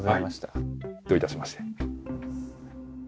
はいどういたしまして。